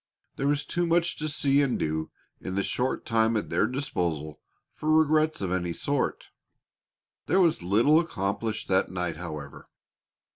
There was too much to see and do in the short time at their disposal for regrets of any sort. There was little accomplished that night, however.